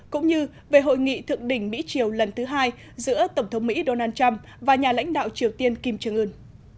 cũng như về hội nghị thượng đỉnh mỹ triều lần thứ hai giữa tổng thống mỹ donald trump và nhà lãnh đạo triều tiên kim trương ưn